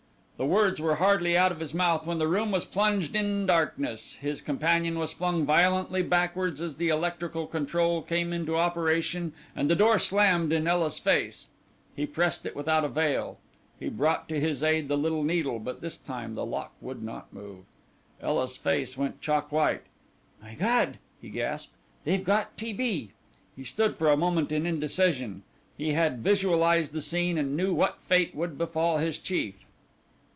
The words were hardly out of his mouth when the room was plunged in darkness, his companion was flung violently backward as the electrical control came into operation and the door slammed in Ela's face. He pressed it without avail. He brought to his aid the little needle, but this time the lock would not move. Ela's face went chalk white. "My God!" he gasped, "they've got T. B.!" He stood for a moment in indecision. He had visualized the scene and knew what fate would befall his chief.